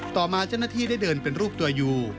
ต่อมาเจ้าหน้าที่ได้เดินเป็นรูปตัวอยู่